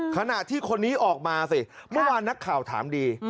ขณะที่คนนี้ออกมาสิเมื่อวานนักข่าวถามดี